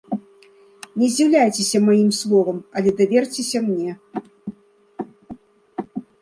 Не здзіўляйцеся маім словам, але даверцеся мне.